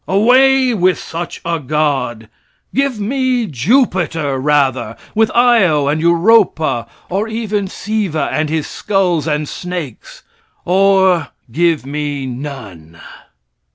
Away with such a God! Give me Jupiter rather, with Io and Europa, or even Siva with his skulls and snakes, or give me none.